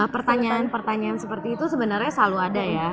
pertanyaan pertanyaan seperti itu sebenarnya selalu ada ya